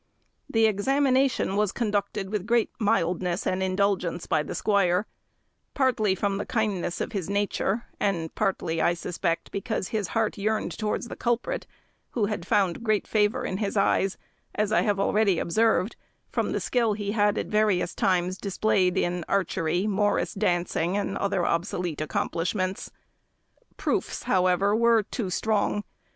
The examination was conducted with great mildness and indulgence by the squire, partly from the kindness of his nature, and partly, I suspect, because his heart yearned towards the culprit, who had found great favour in his eyes, as I have already observed, from the skill he had at various times displayed in archery, morris dancing, and other obsolete accomplishments. Proofs, however, were too strong.